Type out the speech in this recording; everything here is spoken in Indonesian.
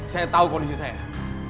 saya tau kondisi saya